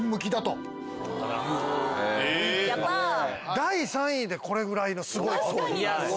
第３位でこれぐらいのすごいとこにいます。